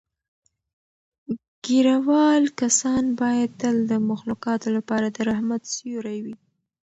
ږیره وال کسان باید تل د مخلوقاتو لپاره د رحمت سیوری وي.